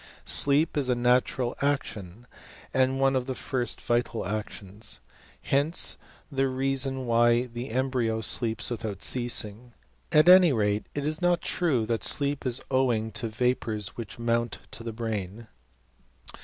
Sleep is a natural action, and one of the first vital actions. Hence the reason why the embryo sleeps without ceasing. At any rate it is not true that sleep is owing to vapours which mount to the brain.